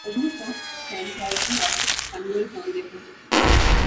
A group of Centauri warships converge on their position.